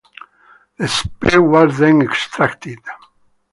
The spear was then extracted.